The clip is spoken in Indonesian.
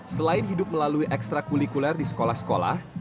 selain hidup melalui ekstra kulikuler di sekolah sekolah